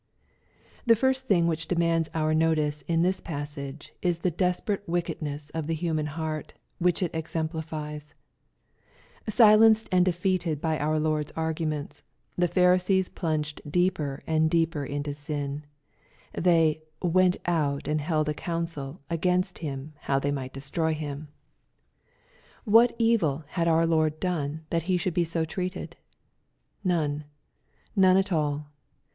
The first thing which demands our notice in this pas sage, u the desperate wickedness of the human hearty which it exemplifies. Silenced and defeated by ouf Lord's arguments, the Pharisees plunged deeper and deeper mto sin. They " went out and held a council against bira how they might destroy him." MATTHEW, CHAP. XII. 125 What evil had our Lord done, that He should be so treated ? None, none at all.